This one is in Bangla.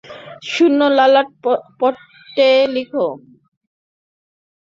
শূন্য এ ললাটপট্টে লিখা।